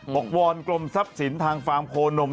วอนกรมทรัพย์สินทางฟาร์มโคนม